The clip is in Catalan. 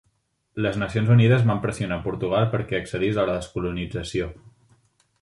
Les Nacions Unides van pressionar Portugal perquè accedís a la descolonització.